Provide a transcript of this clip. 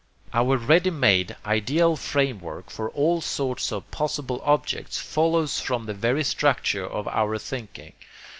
Our ready made ideal framework for all sorts of possible objects follows from the very structure of our thinking.